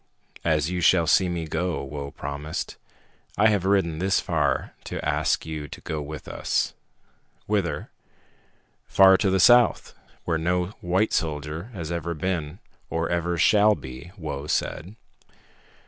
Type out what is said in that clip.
"As you shall see me go," Whoa promised. "I have ridden this far to ask you to go with us." "Whither?" "Far to the south, where no white soldier ever has been or ever shall be," Whoa said.